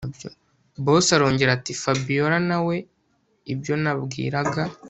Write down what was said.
Boss arongera atiFabiora nawe ibyo nabwiraga